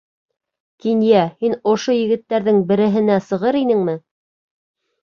Кинйә, Һин ошо егеттәрҙең береһенә сығыр инеңме?